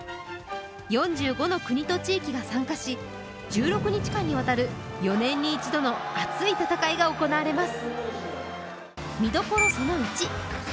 ４５の国と地域が参加し１６日間にわたる４年に一度の熱い戦いが行われます。